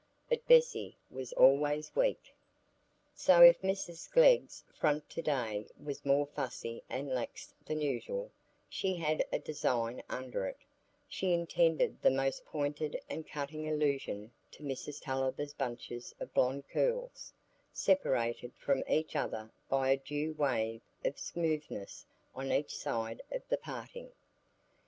But Bessy was always weak! So if Mrs Glegg's front to day was more fuzzy and lax than usual, she had a design under it: she intended the most pointed and cutting allusion to Mrs Tulliver's bunches of blond curls, separated from each other by a due wave of smoothness on each side of the parting.